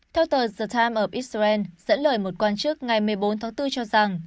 theo tờ the time of israel dẫn lời một quan chức ngày một mươi bốn tháng bốn cho rằng